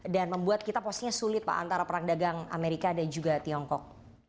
dan membuat kita posisinya sulit pak antara perang dagang amerika dan juga tiongkok